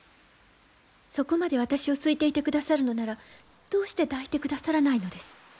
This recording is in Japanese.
そこまで私を好いていてくださるのならどうして抱いてくださらないのです？